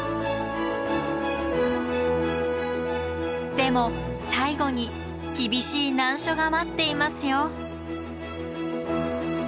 でも最後に厳しい難所が待っていますよ。